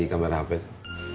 diambil dari kamera hp